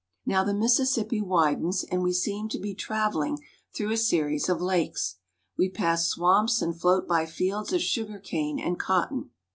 I 53 Now the Mississippi widens, and we seem to be traveling through a series of lakes. We pass swamps and float by fields of sugar cane and cotton.